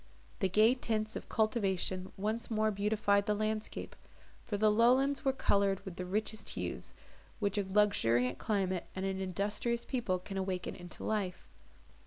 The gay tints of cultivation once more beautified the landscape; for the lowlands were coloured with the richest hues, which a luxuriant climate, and an industrious people can awaken into life.